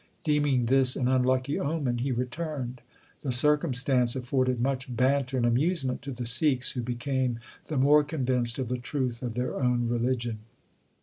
Deeming this an unlucky omen he returned. The circumstance afforded much banter and amusement to the Sikhs, who became the more convinced of the truth of their own religion.